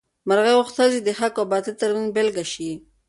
مرغۍ غوښتل چې د حق او باطل تر منځ بېلګه شي.